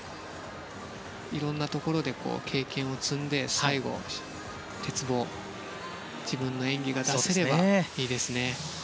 いろんなところで経験を積んで最後鉄棒、自分の演技が出せればいいですね。